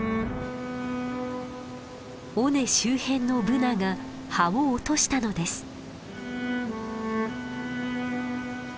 尾根周辺のブナが葉を落としたのです。